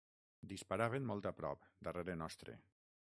Disparaven molt a prop darrere nostre